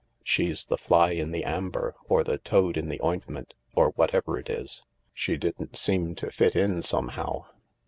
She's the fly in the amber, or thetoadin the ointment, or what ever it is. She didn't seem to fit in somehow."